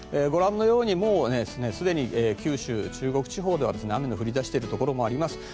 ご覧のようにもうすでに九州・中国地方では雨の降りだしているところもあります。